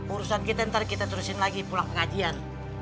urusan kita ntar kita terusin lagi pulang pengajian